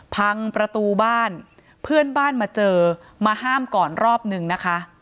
พังประตูบ้านเพื่อนบ้านมาเจอมาห้ามก่อนรอบนึงนะคะ